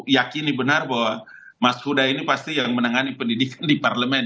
yakini benar bahwa mas huda ini pasti yang menangani pendidikan di parlemen